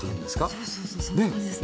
そうそうそうそんな感じですね。